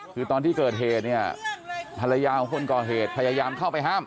คือตอนที่เกิดเหตุเนี่ยภรรยาของคนก่อเหตุพยายามเข้าไปห้าม